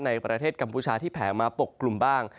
ในประเทศกัมพูชาที่แผลมาปกกลุ่มบ้าง